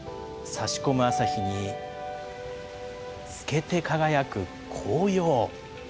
さし込む朝日に透けて輝く紅葉。